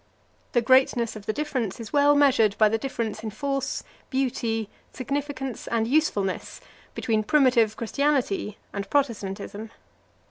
The greatness of the difference is well measured by the difference in force, beauty, significance and usefulness, between primitive Christianity and Protestantism.